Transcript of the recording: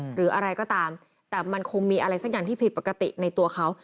หรืออะไรก็ตามแต่มันคงมีอะไรสักอย่างที่ผิดปกติในตัวเขา